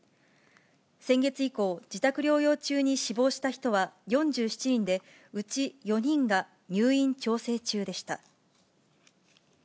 先月以降、自宅療養中に死亡した人は４７人で、うち４人が入院調整中でした。